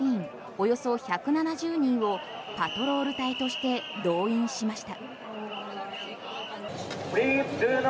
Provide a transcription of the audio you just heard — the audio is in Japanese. およそ１７０人をパトロール隊として動員しました。